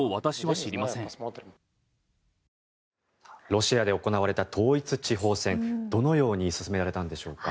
ロシアで行われた統一地方選どのように進められたのでしょうか。